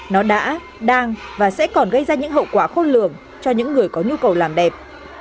nó đã đang và sẽ còn gây ra những hậu quả khôn lường cho những người có nhu cầu làm đẹp